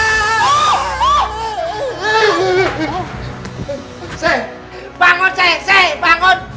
seh bangun seh seh bangun